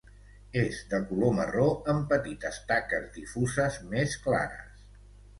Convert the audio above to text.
És de color marró amb petites taques difuses més clares.